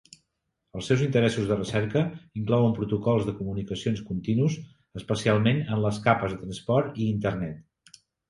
Els seus interessos de recerca inclouen protocols de comunicacions continus, especialment en les capes de transport i internet.